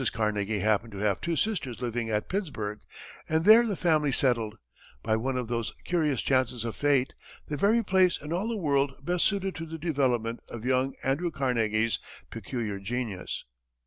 Carnegie happened to have two sisters living at Pittsburgh, and there the family settled by one of those curious chances of fate, the very place in all the world best suited to the development of young Andrew Carnegie's peculiar genius.